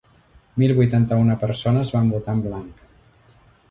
Mil vuitanta-una persones van votar en blanc.